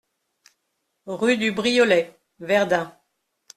Rue du Briolet, Verdun